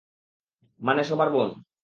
মানে, সবার বোন।